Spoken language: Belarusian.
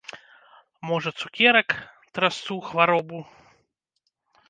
Можа, цукерак, трасцу, хваробу?